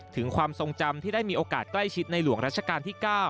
ถึงความทรงจำที่ได้มีโอกาสใกล้ชิดในหลวงรัชกาลที่๙